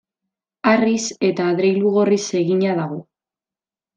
Harriz eta adreilu gorriz egina dago.